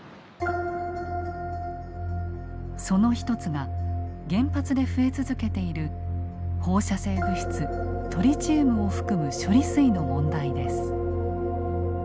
その一つが原発で増え続けている放射性物質トリチウムを含む処理水の問題です。